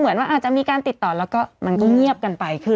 เพื่อไม่ให้เชื้อมันกระจายหรือว่าขยายตัวเพิ่มมากขึ้น